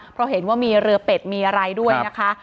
เพราะเห็นว่ามีเรือเป็ดมีอะไรด้วยนะคะ